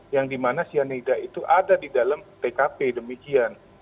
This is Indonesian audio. yang dimana cyanida itu ada di dalam tkp demikian